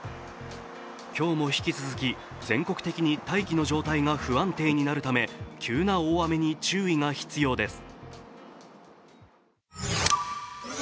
今日も引き続き、全国的に大気の状態が不安定になるため急な大雨に注意が必要です。